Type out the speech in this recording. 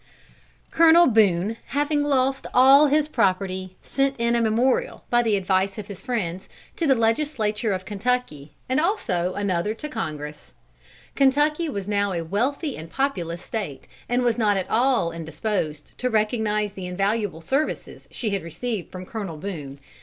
Colonel Boone having lost all his property, sent in a memorial, by the advice of his friends, to the Legislature of Kentucky, and also another to Congress. Kentucky was now a wealthy and populous State, and was not at all indisposed to recognise the invaluable services she had received from Colonel Boone.